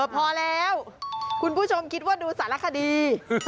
พอแล้วคุณผู้ชมคิดว่าดูสารคดี